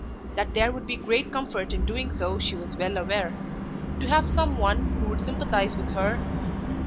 That there would be great comfort in doing so she was well aware. To have some one who would sympathise with her!